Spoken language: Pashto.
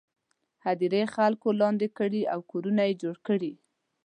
هدیرې خلکو لاندې کړي او کورونه یې جوړ کړي.